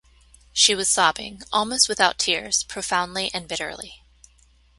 She was sobbing, almost without tears, profoundly and bitterly.